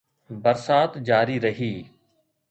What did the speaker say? برسات جاري رهي